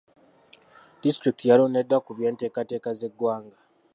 Disitulikiti yalondeddwa ku by'enteekateeka z'eggwanga.